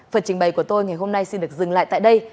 phần trình bày của tôi ngày hôm nay xin được dừng lại tại đây